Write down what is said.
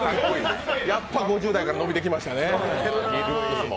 やっぱり５０代から伸びてきましたね、ルックスも。